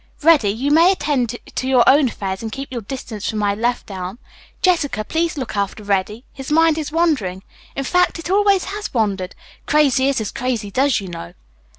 "Reddy, you may attend to your own affairs, and keep your distance from my left arm. Jessica, please look after Reddy. His mind is wandering. In fact, it always has wandered. Crazy is as crazy does, you know."